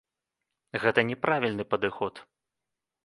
Гэта не правільны падыход.